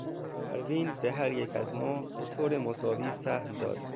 پروین به هر یک از ما به طور مساوی سهم داد.